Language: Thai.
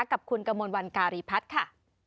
กับคุณกมลวันการีพัฒน์ค่ะ